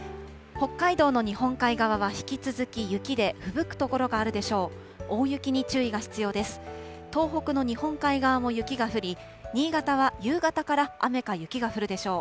北海道の日本海側は引き続き雪で、ふぶく所があるでしょう。